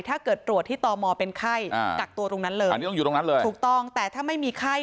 ถ้าเกิดตรวจที่ตอมอเป็นไข้กักตัวตรงนั้นเลยถูกต้องแต่ถ้าไม่มีไข้